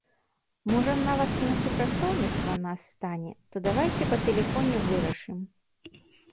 Можа нават і на супрацоўніцтва нас стане, то давайце па тэлефоне вырашым.